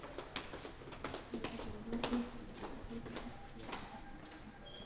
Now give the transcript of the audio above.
یا د یوې پېښې له پېښېدو څخه په تېر مهال بیانوي.